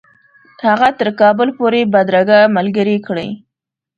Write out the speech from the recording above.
هغه تر کابل پوري بدرګه ملګرې کړي.